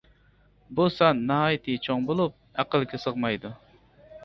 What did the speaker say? بۇ سان ناھايىتى چوڭ بولۇپ ئەقىلگە سىغمايدۇ.